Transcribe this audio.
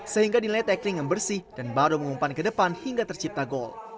sehingga nilai tackling yang bersih dan baru mengumpan ke depan hingga tercipta gol